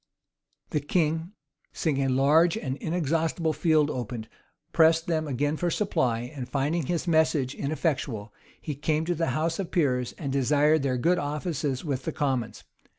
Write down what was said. The king, seeing a large and inexhaustible field opened, pressed them again for supply; and finding his message ineffectual, he came to the house of peers, and desired their good offices with the commons.